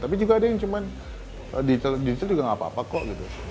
tapi juga ada yang cuman di situ juga nggak apa apa kok gitu